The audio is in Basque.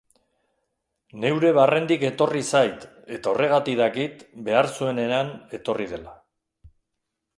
Neure barrendik etorri zait eta horregatik dakit behar zuenean etorri dela.